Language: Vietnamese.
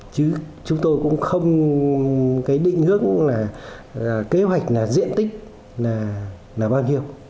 chứ chúng tôi cũng không cái định hướng là kế hoạch là diện tích là bao nhiêu